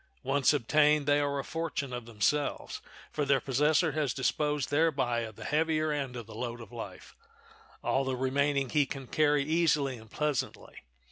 Once obtained they are a fortune of themselves, for their possessor has disposed thereby of the heavier end of the load of life; all the remaining he can carry easily and pleasantly.